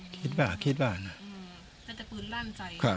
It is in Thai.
คิดบ้างคิดบ้างนะ